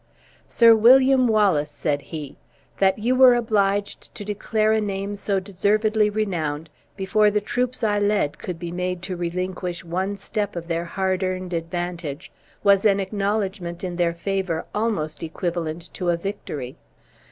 "Sir William Wallace," said he, "that you were obliged to declare a name so deservedly renowned, before the troops I led, could be made to relinquish one step of their hard earned advantage, was an acknowledgment in their favor almost equivalent to a victory."